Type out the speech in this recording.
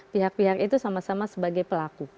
pihak pihak itu sama sama sebagai pelaku